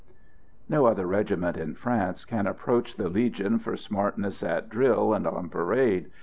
No other regiment in France can approach the Legion for smartness at drill and on parade.